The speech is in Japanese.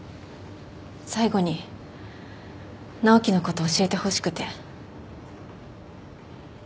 最後に直樹のこと教えてほしくて。